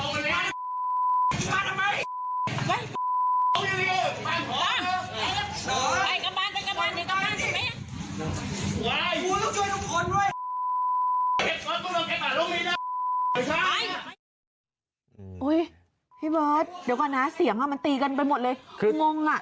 โอ้ยพี่บอสเดี๋ยวก่อนนะเสียงมันตีกันไปหมดเลยงงน่ะ